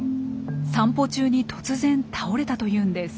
散歩中に突然倒れたというんです。